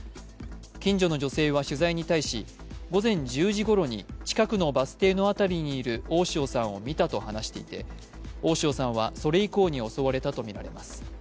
近所の女性は取材に対し、午前１０時ごろに近くのバス停の辺りにいる大塩さんを見たと話していて、大塩さんはそれ以降に襲われたとみられます。